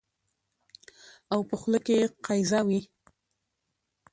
او په خوله کې يې قیضه وي